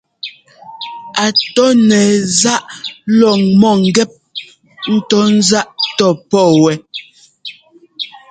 A tɔ́ nɛ záꞌ lɔ́ŋ-mɔ̂ŋgɛ́p ńtɔ́ ńzáꞌ tɔ́pɔ́ wɛ.